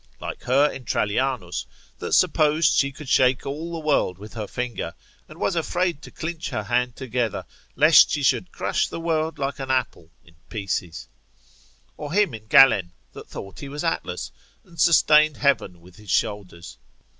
Like her in Trallianus, that supposed she could shake all the world with her finger, and was afraid to clinch her hand together, lest she should crush the world like an apple in pieces: or him in Galen, that thought he was Atlas, and sustained heaven with his shoulders.